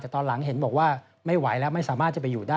แต่ตอนหลังเห็นบอกว่าไม่ไหวแล้วไม่สามารถจะไปอยู่ได้